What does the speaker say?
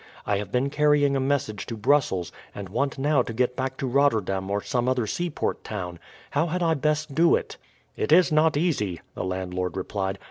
I have been carrying a message to Brussels and want now to get back to Rotterdam or some other sea port town. How had I best do it?" "It is not easy," the landlord replied.